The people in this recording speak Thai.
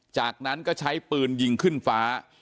จากนั้นก็ใช้ปืนยิงขึ้นฟ้า